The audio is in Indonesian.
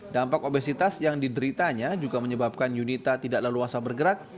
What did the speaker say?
dampak obesitas yang dideritanya juga menyebabkan junita tidak lalu asal bergerak